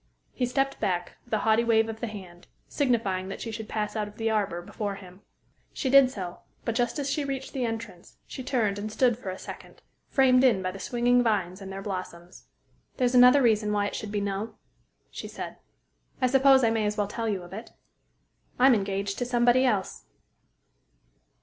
He stepped back, with a haughty wave of the hand, signifying that she should pass out of the arbor before him. She did so; but just as she reached the entrance, she turned, and stood for a second, framed in by the swinging vines and their blossoms. "There's another reason why it should be 'no,'" she said. "I suppose I may as well tell you of it. I'm engaged to somebody else."